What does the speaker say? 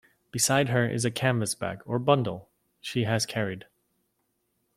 Beside her is a canvas bag, or bundle, she has carried.